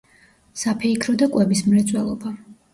საფეიქრო და კვების მრეწველობა.